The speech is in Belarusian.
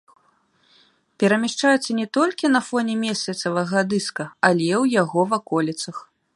Перамяшчаюцца не толькі на фоне месяцавага дыска, але і ў яго ваколіцах.